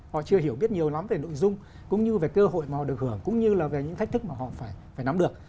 họ chưa hiểu biết nhiều lắm về nội dung cũng như về cơ hội mà họ được hưởng cũng như là về những thách thức mà họ phải nắm được